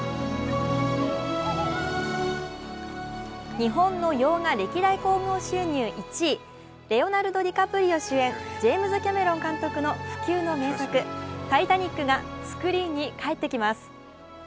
日本の洋画歴代興行収入１位レオナルド・ディカプリオ主演、ジェームズ・キャメロン監督の不朽の名作、「タイタニック」がスクリーンに帰ってきます。